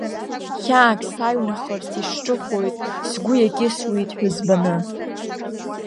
Хьаак саҩнахырц исҿыхоит, сгәы иакьысуеит ҳәызбаны.